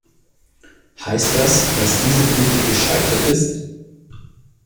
Heißt das, dass diese Politik gescheitert ist?